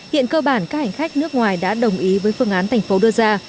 hiện cơ bản các hành khách nước ngoài đã đồng ý với phương án thành phố đưa ra